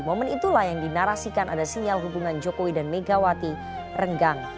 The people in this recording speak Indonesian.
momen itulah yang dinarasikan ada sinyal hubungan jokowi dan megawati renggang